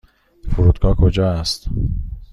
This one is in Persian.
فرودگاه کجا است؟